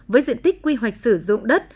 với diện tích quy hoạch sử dụng đất